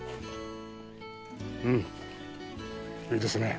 うんいいですね！